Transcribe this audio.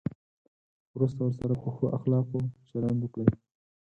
وروسته ورسره په ښو اخلاقو چلند وکړئ.